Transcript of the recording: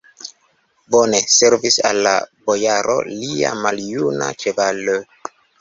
Bone servis al la bojaro lia maljuna ĉevalo!